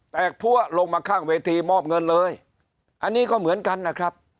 พัวลงมาข้างเวทีมอบเงินเลยอันนี้ก็เหมือนกันนะครับ